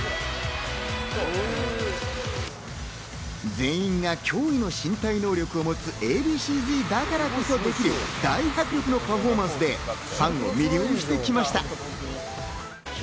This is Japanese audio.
全員が驚異の身体能力をもつＡ．Ｂ．Ｃ−Ｚだからこそできる、大迫力のパフォーマンスでファンを魅了してきました。